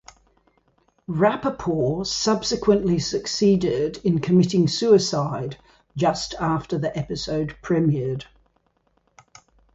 Rappaport subsequently succeeded in committing suicide just after the episode premiered.